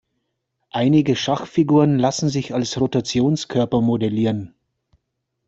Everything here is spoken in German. Einige Schachfiguren lassen sich als Rotationskörper modellieren.